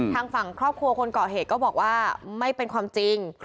ทางฝั่งครอบครัวคนก่อเหตุก็บอกว่าไม่เป็นความจริง